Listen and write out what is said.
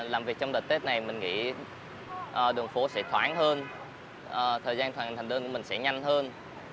làm việc trong đợt tết này mình nghĩ đường phố sẽ thoáng hơn thời gian thành đơn của mình sẽ nhanh hơn